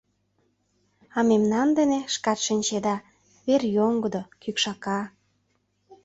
А мемнан дене, шкат шинчеда, вер йоҥгыдо, кӱкшака.